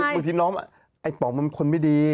คือเมื่อที่น้องไอ้ป๋องมันคนไม่ดี